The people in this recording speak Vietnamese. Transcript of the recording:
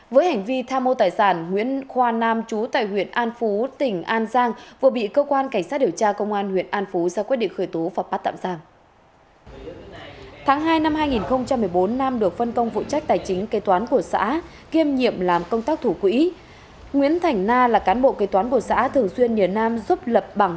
với hành vi tham mô tài sản nguyễn khoa nam chú tại huyện an phú tỉnh an giang vừa bị cơ quan cảnh sát điều tra công an huyện an phú ra quyết định khởi tố và bắt tạm giang